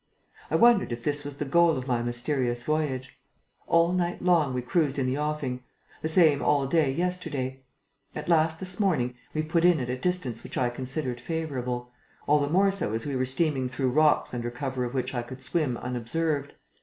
I wondered if this was the goal of my mysterious voyage. All night long, we cruised in the offing. The same all day yesterday. At last, this morning, we put in at a distance which I considered favourable, all the more so as we were steaming through rocks under cover of which I could swim unobserved.